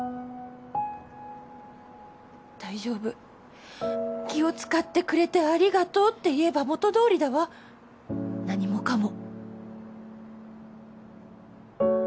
大丈夫気を遣ってくれてありがとうって言えば元どおりだわ何もかも